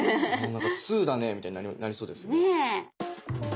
なんか通だねみたいになりそうですね。